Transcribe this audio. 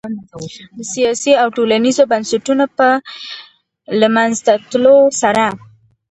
د سیاسي او ټولنیزو بنسټونو په له منځه تلو سره